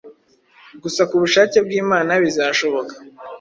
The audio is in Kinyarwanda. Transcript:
gusa ku bushake bw’Imana bizashoboka